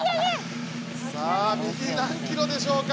さあ右何キロでしょうか。